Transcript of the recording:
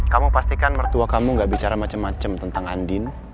kamu pastikan mertua kamu gak bicara macam macam tentang andin